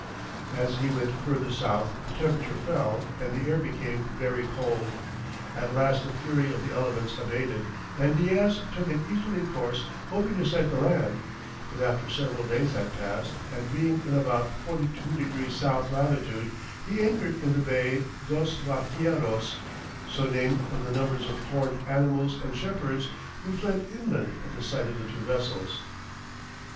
As he went further south the temperature fell and the air became very cold; at last the fury of the elements abated, and Diaz took an easterly course hoping to sight the land, but after several days had passed, and being in about 42 degrees south latitude, he anchored in the bay "dos Vaquieros," so named from the numbers of horned animals and shepherds, who fled inland at the sight of the two vessels.